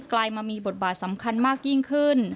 ลายมามีบทบาทสำคัญมากยิ่งขึ้น